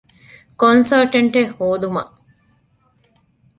ކޮންސަލްޓަންޓެއް ހޯދުމަށް